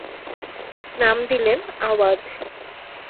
নাম দিলেন আওয়াজ।